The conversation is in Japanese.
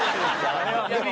あれは。